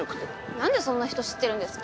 何でそんな人知ってるんですか？